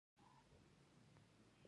ایا ستاسو اوښکې پاکې نه دي؟